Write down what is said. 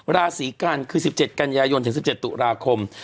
ราศรีกันนก็จะเป็น๑๗กันยายนถึง๑๗ตุลาคม